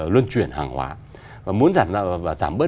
luân chuyển hàng hóa và muốn giảm bớt